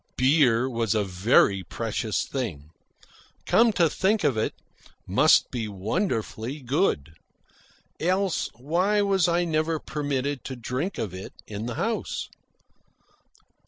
Beer was a very precious thing. Come to think of it, it must be wonderfully good. Else why was I never permitted to drink of it in the house?